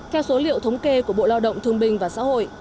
theo số liệu thống kê của bộ lao động thương bình và xã hội